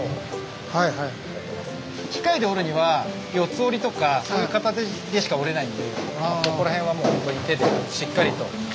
機械で折るには四つ折りとかそういう形でしか折れないんでここら辺はもう本当に手でしっかりと。